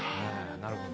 なるほど。